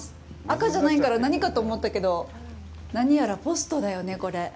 赤じゃないから何かと思ったけど何やらポストだよね、これ。